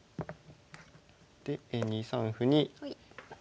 で２三歩に。